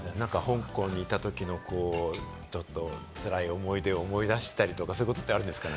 香港にいたときの辛い思い出を思い出したりとか、そういうことってあるんですか？